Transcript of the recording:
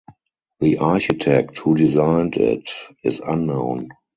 The architect who designed it is unknown.